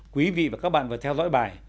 quý vị và các bạn vừa theo dõi bài